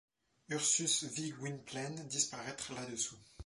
Ursus vit Gwynplaine disparaître là-dessous.